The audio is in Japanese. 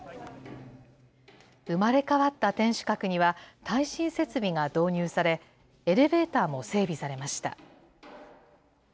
生まれ変わった天守閣には、耐震設備が導入され、エレベーターも整備されました。